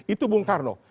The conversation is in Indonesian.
itu bung karno